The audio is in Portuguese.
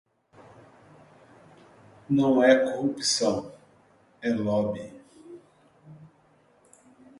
Não é corrupção, é lobby